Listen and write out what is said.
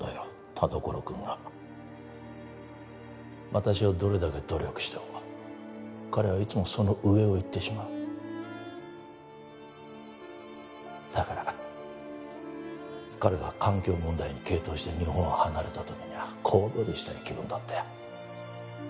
田所君が私がどれだけ努力しても彼はいつもその上を行ってしまうだから彼が環境問題に傾倒して日本を離れた時には小躍りしたい気分だったよ